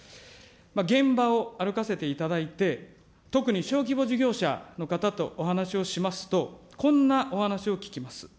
現場を歩かせていただいて、特に小規模事業者の方とお話をしますと、こんなお話を聞きます。